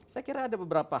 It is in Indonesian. saya kira ada beberapa